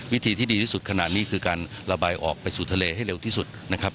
วิธีที่ดีที่สุดขนาดนี้คือการระบายออกไปสู่ทะเลให้เร็วที่สุดนะครับ